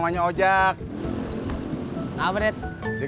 makanya sekarang gue mau kenalin